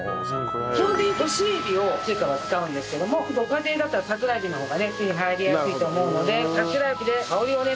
基本的に干しエビを中華は使うんですけどもご家庭だったらサクラエビの方が手に入りやすいと思うのでサクラエビで香りをね